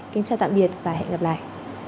kính chào tạm biệt và hẹn gặp lại